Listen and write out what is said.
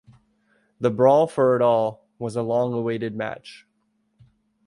"The Brawl for it All" was a long-awaited match.